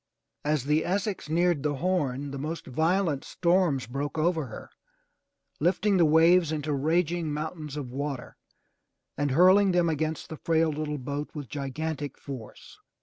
As the Essex neared the Horn, the most violent storms broke over her, lifting the waves into raging mountains of water and hurling them against the frail little boat with gigantic force.